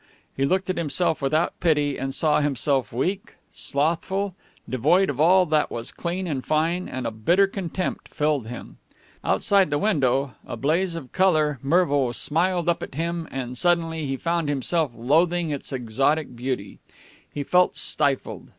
He looked at himself without pity, and saw himself weak, slothful, devoid of all that was clean and fine, and a bitter contempt filled him. Outside the window, a blaze of color, Mervo smiled up at him, and suddenly he found himself loathing its exotic beauty. He felt stifled.